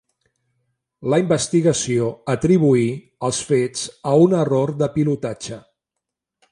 La investigació atribuí els fets a un error de pilotatge.